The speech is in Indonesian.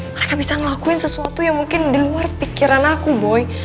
mereka bisa ngelakuin sesuatu yang mungkin di luar pikiran aku boy